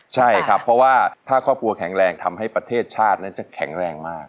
ใช่ครับเพราะว่าถ้าครอบครัวแข็งแรงทำให้ประเทศชาตินั้นจะแข็งแรงมาก